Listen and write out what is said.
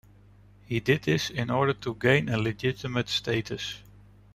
He did this in order to gain a legitimate status.